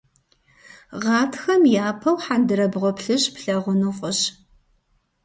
Гъатхэм япэу хьэндырабгъуэ плъыжь плъагъуну фӏыщ.